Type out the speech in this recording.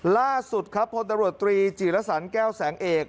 ล่าสุดครับพลตำรวจตรีจีรสันแก้วแสงเอก